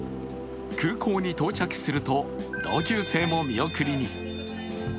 空港に到着すると、同級生も見送りに。